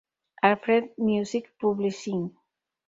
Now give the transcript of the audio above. Alfred Music Publishing.